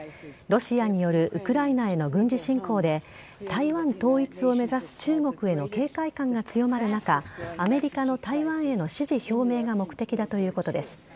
ロシアによるウクライナへの軍事侵攻で台湾統一を目指す中国への警戒感が強まる中アメリカの台湾への支持表明が目的だということです。